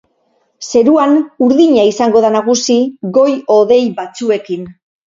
Zeruan urdina izango da nagusi, goi-hodei batzuekin.